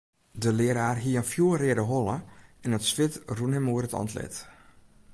De learaar hie in fjoerreade holle en it swit rûn him oer it antlit.